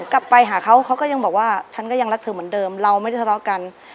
กลับไปหาเขาเขาก็ยังบอกว่าฉันก็ยังรักเธอเหมือนเดิมเราไม่ได้ทะเลาะกัน